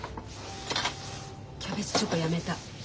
キャベツチョコやめた。